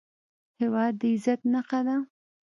هېواد د عزت نښه ده